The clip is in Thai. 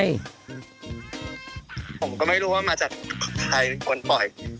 ผมก็ไม่รู้ว่ามาจากไทยคนบ่อย